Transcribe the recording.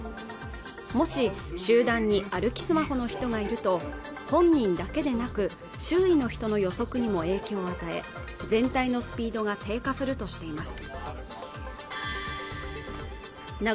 もし集団に歩きスマホの人がいると本人だけでなく周囲の人の予測にも影響を与え全体のスピードが低下するとしています